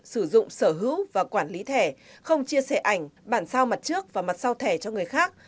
sử dụng sở hữu và quản lý thẻ không chia sẻ ảnh bản sao mặt trước và mặt sau thẻ cho người khác